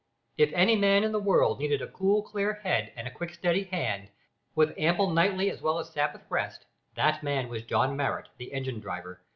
If any man in the world needed a cool clear head and a quick steady hand, with ample nightly as well as Sabbath rest, that man was John Marrot, the engine driver.